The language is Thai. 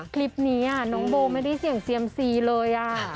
คลิปนี้น้องโบไม่ได้เสี่ยงเซียมซีเลย